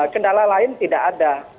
kendala lain tidak ada